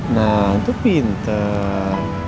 nah itu pinter